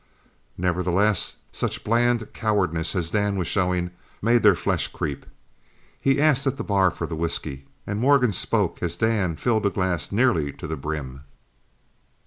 Nevertheless such bland cowardice as Dan was showing made their flesh creep. He asked at the bar for the whisky, and Morgan spoke as Dan filled a glass nearly to the brim.